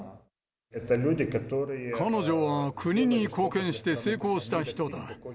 彼女は国に貢献して成功した人だ。